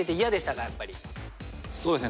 そうですね